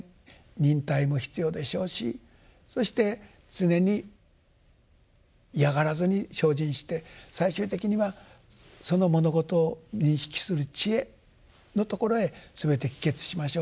忍耐も必要でしょうしそして常に嫌がらずに精進して最終的にはその物事を認識する智慧のところへすべて帰結しましょう。